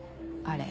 あれ。